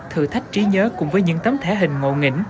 thử thách trí nhớ cùng với những tấm thể hình ngộ nghĩnh